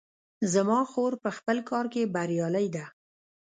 زما خور په خپل کار کې بریالۍ ده